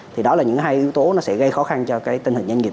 thì đó là những hai yếu tố nó sẽ gây khó khăn cho cái tình hình doanh nghiệp